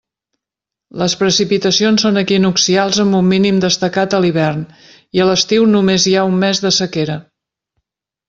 Les precipitacions són equinoccials amb un mínim destacat a l'hivern, i a l'estiu només hi ha un mes de sequera.